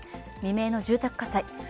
未明の住宅火災。